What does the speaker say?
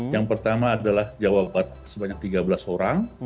yang pertama adalah jawa barat sebanyak tiga belas orang